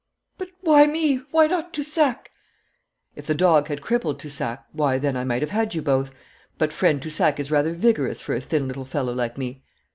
'But why me? Why not Toussac?' 'If the dog had crippled Toussac, why then I might have had you both. But friend Toussac is rather vigorous for a thin little fellow like me.